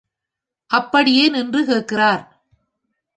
அப்படியே நின்று கேட்கிறார்.